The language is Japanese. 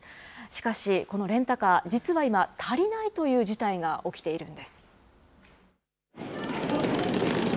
しかし、このレンタカー、実は今、足りないという事態が起きているんです。